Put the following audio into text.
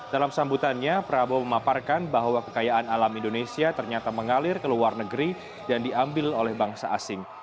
dalam sambutannya prabowo memaparkan bahwa kekayaan alam indonesia ternyata mengalir ke luar negeri dan diambil oleh bangsa asing